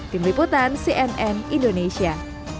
tim liputan cnn indonesia